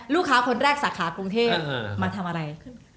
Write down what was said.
ลูกค้าคนแรกสาขากรุงเทศมาทำอะไร